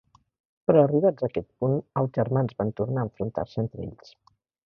Però arribats a aquest punt els germans van tornar a enfrontar-se entre ells.